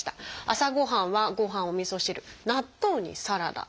朝ごはんはご飯おみそ汁納豆にサラダ。